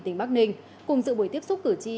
tỉnh bắc ninh cùng dự buổi tiếp xúc cử tri